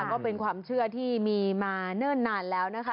ก็เป็นความเชื่อที่มีมาเนิ่นนานแล้วนะคะ